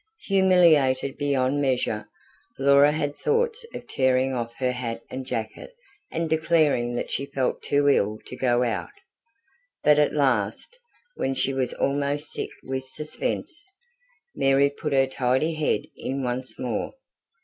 Humiliated beyond measure, Laura had thoughts of tearing off her hat and jacket and declaring that she felt too ill to go out. But at last, when she was almost sick with suspense, Mary put her tidy head in once more.